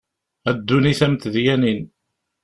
A ddunit a mm tedyanin.